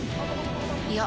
いや